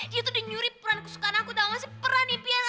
dia tuh udah nyurip peran kesukaan aku dan ngasih peran impian aku